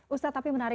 ustaz tapi menarik